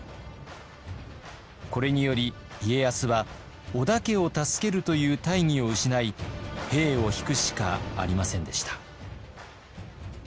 これにより家康は織田家を助けるという大義を失い兵を引くしかありませんでした。